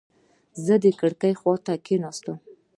زه د کړکۍ خواته کېناستم.